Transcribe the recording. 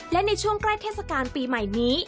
และในช่วงใกล้เทศกาลปีใหม่นี้